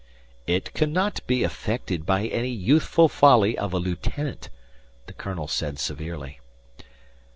"It cannot be affected by any youthful folly of a lieutenant," the colonel said severely.